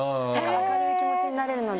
明るい気持ちになれるので。